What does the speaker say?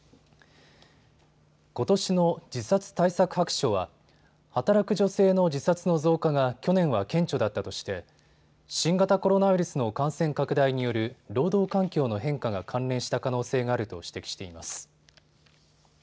ことしの自殺対策白書は働く女性の自殺の増加が去年は顕著だったとして新型コロナウイルスの感染拡大による労働環境の変化が関連した可能性があると指摘しています。